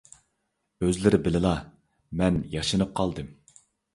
ئۆزلىرى بىلىلا، مەن ياشىنىپ قالدىم.